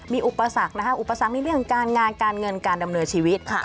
มีอุปสรรคนะคะอุปสรรคในเรื่องการงานการเงินการดำเนินชีวิต